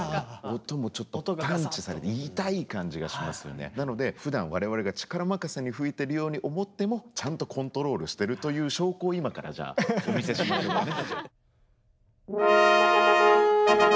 音もちょっとパンチされてなのでふだん我々が力任せに吹いてるように思ってもちゃんとコントロールしてるという証拠を今からじゃあお見せしましょうかね。